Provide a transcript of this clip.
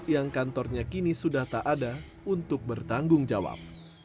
yang kantornya kini sudah tak ada untuk bertanggung jawab